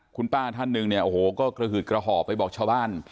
คุณป้าท่านหนึ่งเนี่ยโอ้โหก็กระหืดกระห่อไปบอกชาวบ้าน